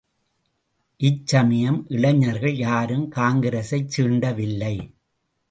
இச்சமயம் இளைஞர்கள் யாரும் காங்கிரசைச் சீண்டவில்லை.